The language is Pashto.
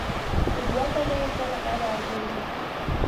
چې دوه تنه یې تل غیر حاضر وي.